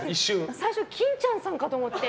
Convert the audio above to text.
最初金ちゃんさんかと思って。